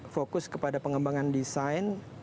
fokus kepada pengembangan desain